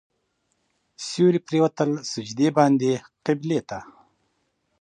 سیوري پرېوتل سجدې باندې قبلې ته.